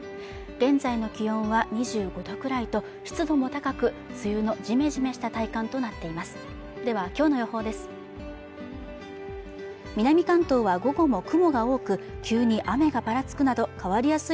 現在の気温は２５度くらいと湿度も高く梅雨のジメジメした体感となっていますではきょうの予報です